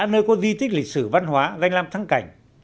nơi có di tích lịch sử văn hóa danh lam thắng cảnh